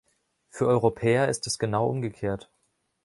Für Europäer ist es genau umgekehrt.